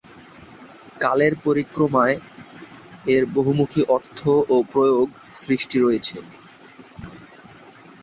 কালের পরিক্রমায় এর বহুমুখী অর্থ ও প্রয়োগ সৃষ্টি রয়েছে।